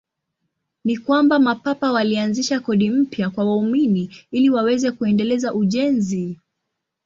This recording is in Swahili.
Ni kwamba Mapapa walianzisha kodi mpya kwa waumini ili waweze kuendeleza ujenzi.